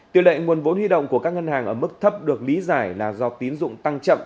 tỷ lệ nguồn vốn huy động của các ngân hàng ở mức thấp được lý giải là do tín dụng tăng chậm